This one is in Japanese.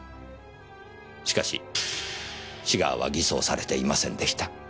しかしシガーは偽装されていませんでした。